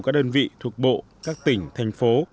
các đơn vị thuộc bộ các tỉnh thành phố